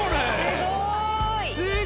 すごい。